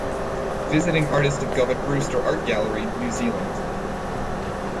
Visiting Artist of Govett-Brewster Art Gallery, New Zealand.